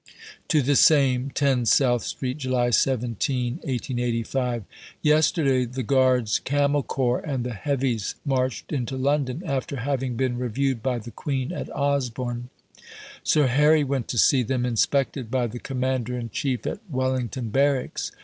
(To the same.) 10 SOUTH STREET, July 17 . Yesterday the Guards Camel Corps and the Heavies marched into London, after having been reviewed by the Queen at Osborne. Sir Harry went to see them inspected by the Commander in Chief at Wellington Barracks.